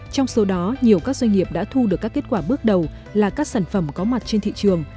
trong số đó nhiều các doanh nghiệp đã thu được các kết quả bước đầu là các sản phẩm có mặt trên thị trường